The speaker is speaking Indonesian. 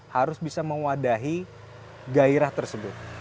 harus bisa mewadahi gairah tersebut